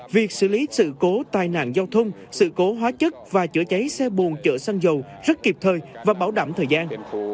việc xử lý sự cố tai nạn giao thông sự cố hóa chất và chữa cháy xe bồn chở xăng dầu rất kịp thời và bảo đảm thời gian